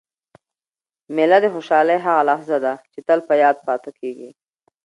مېله د خوشحالۍ هغه لحظه ده، چي تل په یاد پاته کېږي.